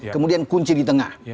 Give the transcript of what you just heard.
kemudian kunci di tengah